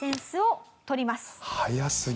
早すぎる！